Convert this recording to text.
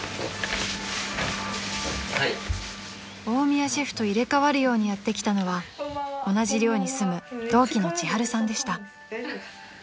［大宮シェフと入れ替わるようにやって来たのは同じ寮に住む同期のちはるさんでした］